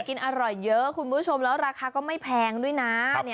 กินอร่อยเยอะคุณผู้ชมแล้วราคาก็ไม่แพงด้วยนะ